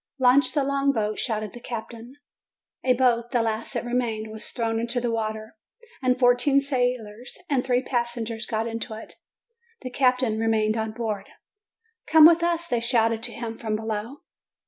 "Launch the long boat!" shouted the captain. A boat, the last that remained, was thrown into the water, and fourteen sailors and three passengers got into it. The captain remained on board. "Come with us!" they shouted to him from below.